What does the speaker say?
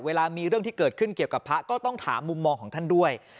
เวลามีเรื่องที่เกิดขึ้นเกี่ยวกับพระก็ต้องถามมุมมองของท่านด้วย